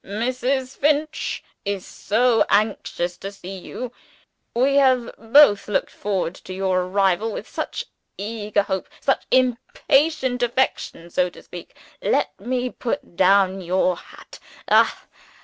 "Mrs. Finch is so anxious to see you. We have both looked forward to your arrival with such eager hope such impatient affection, so to speak. Let me put down your hat. Ah!